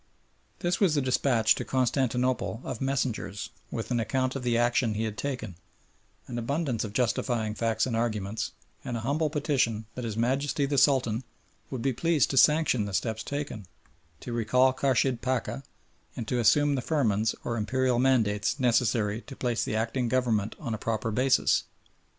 This was the despatch to Constantinople of messengers, with an account of the action he had taken, an abundance of justifying facts and arguments, and an humble petition that his Majesty the Sultan would be pleased to sanction the steps taken, to recall Khurshid Pacha and issue the firmans, or imperial mandates, necessary to place the acting government on a proper basis.